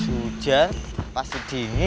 uja pasti dingin